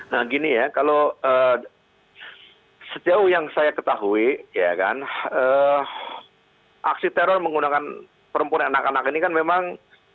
nah gini ya kalau sejauh yang saya ketahui ya kan aksi teror menggunakan perempuan anak anak ini kan memang